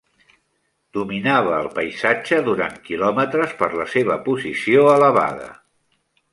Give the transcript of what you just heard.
Dominava el paisatge durant quilòmetres per la seva posició elevada.